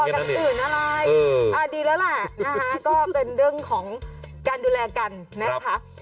ก็นึกว่าจะก่อกับสิ่งอื่นอะไรดีแล้วแหละก็เป็นเรื่องของการดูแลกันนะคะ